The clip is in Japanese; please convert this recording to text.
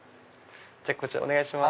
こちらお願いします。